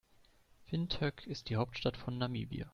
Windhoek ist die Hauptstadt von Namibia.